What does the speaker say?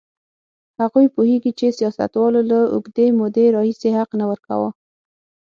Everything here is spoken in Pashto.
هغوی پوهېږي چې سیاستوالو له اوږدې مودې راهیسې حق نه ورکاوه.